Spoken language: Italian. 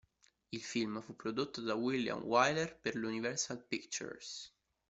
Il film fu prodotto da William Wyler per l'Universal Pictures.